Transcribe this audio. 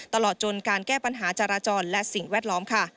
ตลอดจนการแก้ปัญหาจราจรและสิ่งแวดล้อมค่ะ